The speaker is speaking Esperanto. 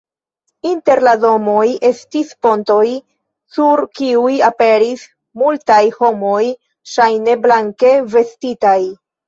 Inter la domoj estis pontoj, sur kiuj aperis multaj homoj ŝajne blanke vestitaj.